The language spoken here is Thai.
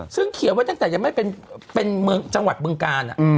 ซึ่งเขียนไว้ตั้งแต่ยังไม่เป็นเมืองจังหวัดบึงกาล